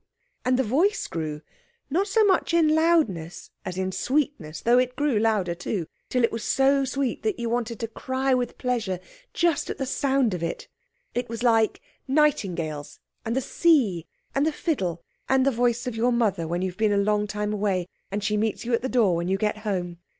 And the voice grew, not so much in loudness as in sweetness (though it grew louder, too), till it was so sweet that you wanted to cry with pleasure just at the sound of it. It was like nightingales, and the sea, and the fiddle, and the voice of your mother when you have been a long time away, and she meets you at the door when you get home.